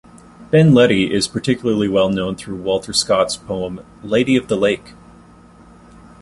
Ben Ledi is particularly well known through Walter Scott's poem "Lady of the Lake".